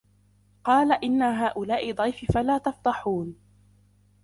قَالَ إِنَّ هَؤُلَاءِ ضَيْفِي فَلَا تَفْضَحُونِ